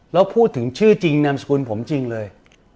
แล้วพูดถึงชื่อจริงนามสกุลผมจริงเลย